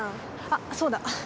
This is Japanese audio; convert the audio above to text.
あ、そうだ。